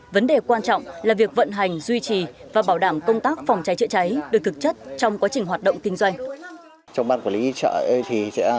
vấn đề quan trọng là việc vận hành duy trì và bảo đảm công tác phòng cháy chữa cháy được thực chất trong quá trình hoạt động kinh doanh